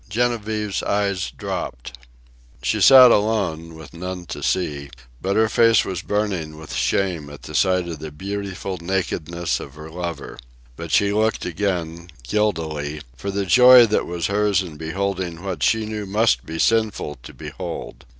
Genevieve's eyes dropped. She sat alone, with none to see, but her face was burning with shame at sight of the beautiful nakedness of her lover. But she looked again, guiltily, for the joy that was hers in beholding what she knew must be sinful to behold.